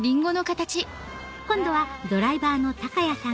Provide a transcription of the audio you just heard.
今度はドライバーの谷さん